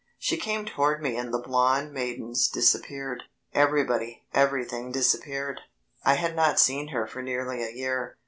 She came toward me and the blond maidens disappeared, everybody, everything disappeared. I had not seen her for nearly a year.